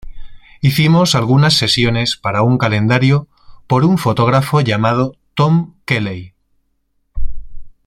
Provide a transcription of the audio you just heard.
Hicimos algunas sesiones para un calendario por un fotógrafo llamado Tom Kelley.